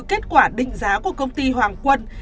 kết quả định giá của công ty hoàng quân